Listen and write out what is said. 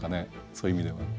そういう意味では。